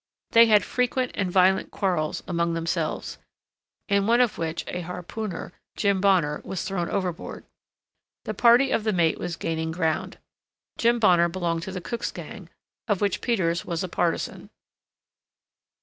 They had frequent and violent quarrels among themselves, in one of which a harpooner, Jim Bonner, was thrown overboard. The party of the mate was gaining ground. Jim Bonner belonged to the cook's gang, of which Peters was a partisan.